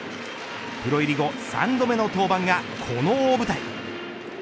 プロ入り後３度目の登板がこの大舞台。